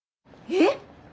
えっ？